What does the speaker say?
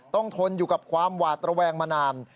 ทนอยู่กับความหวาดระแวงมานาน